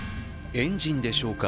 エンジンでしょうか。